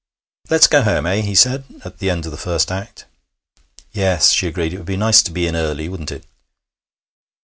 'Let's go home, eh?' he said, at the end of the first act. 'Yes,' she agreed. 'It would be nice to be in early, wouldn't it?'